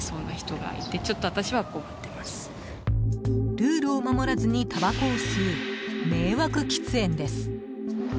ルールを守らずにたばこを吸う、迷惑喫煙です。